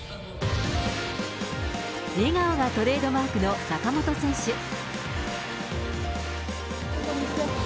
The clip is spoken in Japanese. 笑顔がトレードマークの坂本選手。